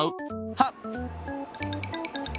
はっ！